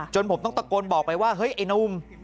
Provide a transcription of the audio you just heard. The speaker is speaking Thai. ผมต้องตะโกนบอกไปว่าเฮ้ยไอ้นุ่ม